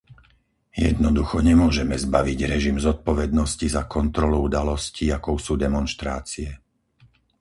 Jednoducho nemôžeme zbaviť režim zodpovednosti za kontrolu udalostí, akou sú demonštrácie.